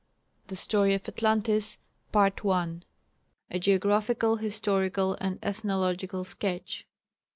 The Story of Atlantis A Geographical, Historical and Ethnological Sketch.